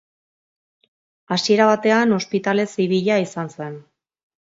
Hasiera batean Ospitale Zibila izan zen.